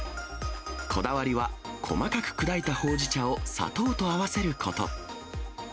こだわりは、細かく砕いたほうじ茶を砂糖と合わせること。